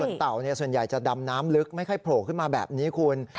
พยูนเขาเนี่ยส่วนใหญ่จะดำน้ำลึกไม่ใช่โผล่ขึ้นมาแบบนี้คุณ